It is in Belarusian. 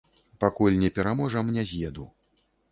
Пакуль не пераможам, не з'еду.